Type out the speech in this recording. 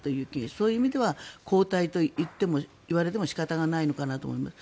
そういう意味では後退といわれても仕方がないのかなと思います。